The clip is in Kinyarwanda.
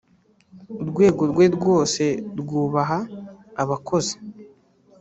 urwego rwerwose rwubaha abakozi.